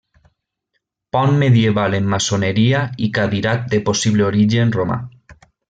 Pont medieval en maçoneria i cadirat de possible origen romà.